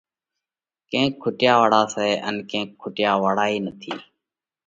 ڪينڪ کُٽيا واۯا سئہ ان ڪينڪ کُٽيا واۯا ئي نٿِي۔